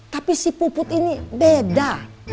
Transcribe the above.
tapi si puput ini beda